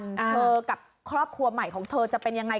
เธอกับครอบครัวใหม่ของเธอจะเป็นยังไง